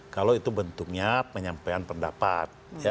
kalau itu bentuknya penyampaian pendapat